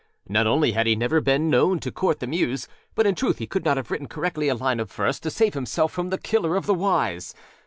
Not only had he never been known to court the muse, but in truth he could not have written correctly a line of verse to save himself from the Killer of the Wise.